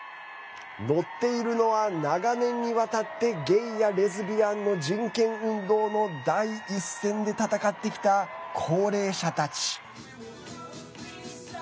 乗っているのは長年にわたってゲイやレズビアンの人権運動の第一線で戦ってきた高齢者たち。